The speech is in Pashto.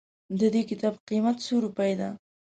ددي کتاب قيمت څو روپئ ده